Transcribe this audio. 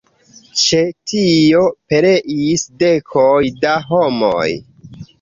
Ĉe tio pereis dekoj da homoj.